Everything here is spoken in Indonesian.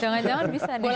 jangan jangan bisa nih